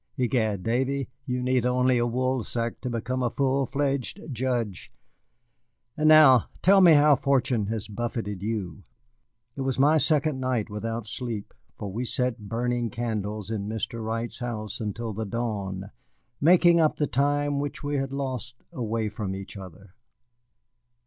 Egad, Davy, you need only a woolsack to become a full fledged judge. And now tell me how fortune has buffeted you." It was my second night without sleep, for we sat burning candles in Mr. Wright's house until the dawn, making up the time which we had lost away from each other.